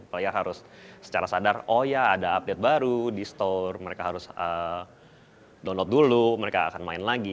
supaya harus secara sadar oh ya ada update baru di store mereka harus download dulu mereka akan main lagi